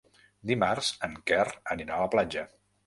Dimarts en Quer anirà a la platja.